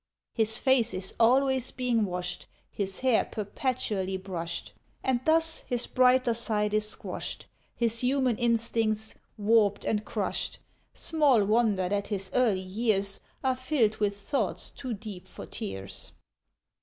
His face is always being washed, His hair perpetually brushed, And thus his brighter side is squashed, His human instincts warped and crushed; Small wonder that his early years Are filled with "thoughts too deep for tears."